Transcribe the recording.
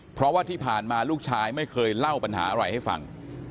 เพราะว่าที่ผ่านมาลูกชายไม่เคยเล่าปัญหาอะไรให้ฟัง